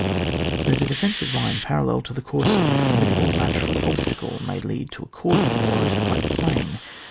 That a defensive line parallel to the course of a formidable natural obstacle may lead to a cordon war is quite plain.